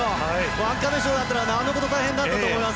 ワンカメショーだったらなおのこと大変だったと思います